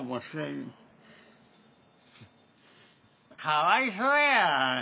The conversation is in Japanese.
かわいそうやわ。